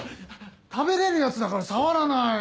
食べれるやつだから触らない！